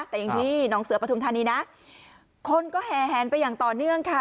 แต่อย่างที่หนองเสือปฐุมธานีนะคนก็แห่แหนไปอย่างต่อเนื่องค่ะ